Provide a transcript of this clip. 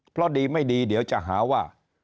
เพราะดีไม่ดีเดี๋ยวจะหาว่า